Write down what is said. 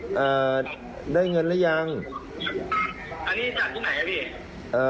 นัตรภนเอ่อได้เงินหรือยังอันนี้จากที่ไหนครับพี่